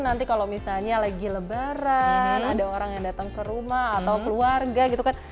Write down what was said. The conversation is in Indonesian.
nanti kalau misalnya lagi lebaran ada orang yang datang ke rumah atau keluarga gitu kan